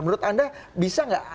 menurut anda bisa nggak